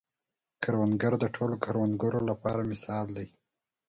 کروندګر د ټولو کروندګرو لپاره مثال دی